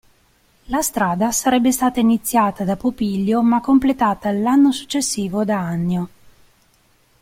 La strada sarebbe stata iniziata da Popilio ma completata l'anno successivo da "Annio".